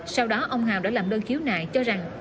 sau đó ông hào đã làm đơn khiếu nại cho rằng